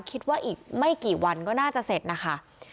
คิดว่าอีกไม่กี่วันก็น่าจะเสร็จนะคะ